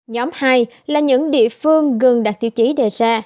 nhóm hai là những địa phương gần đạt tiêu chí đề ra